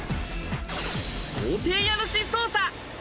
豪邸家主捜査。